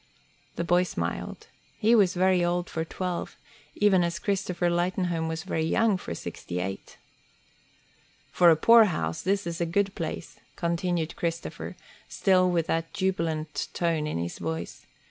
The boy smiled. He was very old for twelve, even as Christopher Lightenhome was very young for sixty eight. "For a poorhouse this is a good place," continued Christopher, still with that jubilant tone in his voice.